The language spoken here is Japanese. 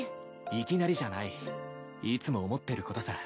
いきなりじゃないいつも思ってることさ。